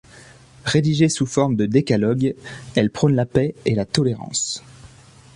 Rédigée sous forme de Décalogue, elle prône la paix et la tolérance.